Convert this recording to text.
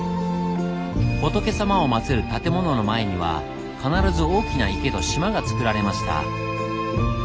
仏様をまつる建物の前には必ず大きな池と島がつくられました。